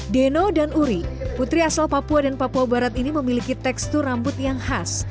deno dan uri putri asal papua dan papua barat ini memiliki tekstur rambut yang khas